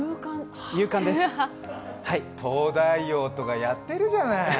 「東大王」とかやってるじゃない。